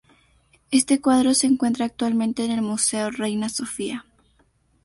Este cuadro se encuentra actualmente en el museo Reina Sofía.